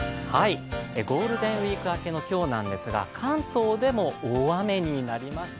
ゴールデンウイーク明けの今日なんですが、関東でも大雨になりました。